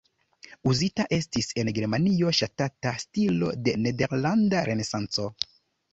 Uzita estis en Germanio ŝatata stilo de nederlanda renesanco.